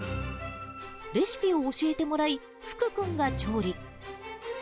レシピを教えてもらい、福君が調理。